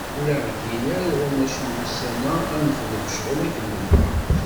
Ur aɣ-gin ara iɣumac n wussan-a, ad nexdem ccɣel akken nebɣa.